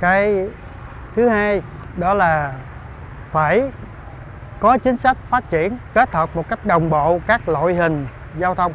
cái thứ hai đó là phải có chính sách phát triển kết hợp một cách đồng bộ các loại hình giao thông